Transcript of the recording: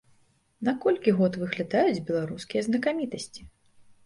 На колькі год выглядаюць беларускія знакамітасці?